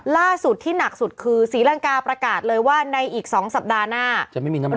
ล่าสุดที่หนักสุดคือศรีรังกาประกาศเลยว่าในอีก๒สัปดาห์หน้า